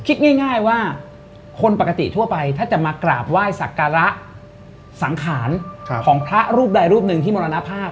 คิดง่ายว่าคนปกติทั่วไปถ้าจะมากราบไหว้สักการะสังขารของพระรูปใดรูปหนึ่งที่มรณภาพ